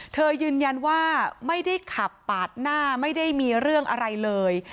ยืนยันว่าไม่ได้ขับปาดหน้าไม่ได้มีเรื่องอะไรเลย